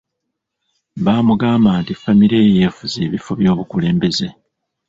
Bamugamba nti famire ye yeefuze ebifo by’obukulembeze.